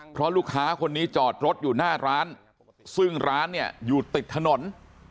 เพราะลูกค้าคนนี้จอดรถอยู่หน้าร้านซึ่งร้านเนี่ยอยู่ติดถนน